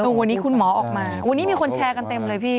วันนี้คุณหมอออกมาวันนี้มีคนแชร์กันเต็มเลยพี่